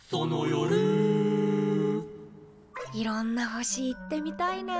いろんな星行ってみたいな。